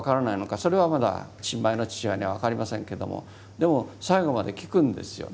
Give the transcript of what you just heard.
それはまだ新米の父親には分かりませんけどもでも最後まで聞くんですよね。